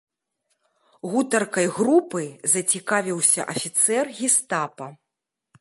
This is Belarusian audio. Гутаркай групы зацікавіўся афіцэр гестапа.